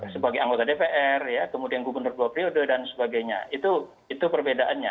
sebagai anggota dpr kemudian gubernur dua periode dan sebagainya itu perbedaannya